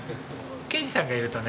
啓二さんがいるとね